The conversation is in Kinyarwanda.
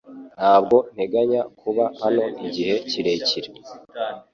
Ntabwo nteganya kuba hano igihe kirekire .